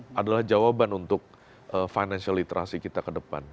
ini adalah jawaban untuk financial literasi kita ke depan